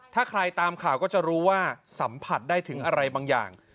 ถ้าใครตามข่าวก็จะรู้ว่าสัมผัสได้ถึงอะไรบางอย่าง